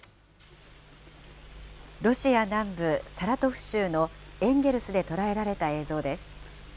ロシア南部、サラトフ州のエンゲルスで捉えられた映像です。